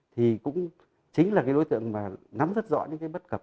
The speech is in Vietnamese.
thì cũng chính là cái đối tượng mà nắm rất rõ những cái bất cập